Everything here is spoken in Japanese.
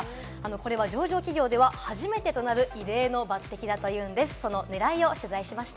これは上場企業では初めてとなる異例の抜擢だというんです。